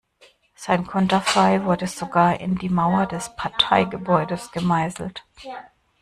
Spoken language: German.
Sein Konterfei wurde sogar in die Mauer des Parteigebäudes gemeißelt.